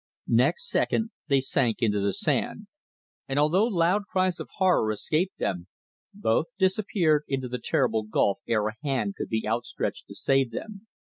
Next second they sank into the sand, and although loud cries of horror escaped them, both disappeared into the terrible gulf ere a hand could be outstretched to save them.